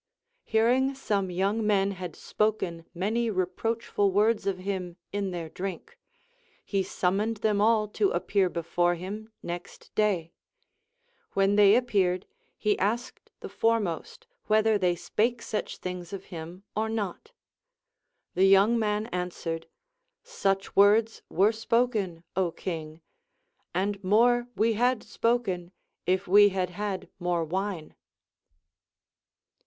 Hearing some young men had spoken many re. proachful words of him in their drink, he summoned them all to appear before him next day ; when they appeared, ne asked the foremost whether they spake such things of him or not. The young man ansAvered : Such words were spoken, Ο King, and more we had spoken, if we had had more wine.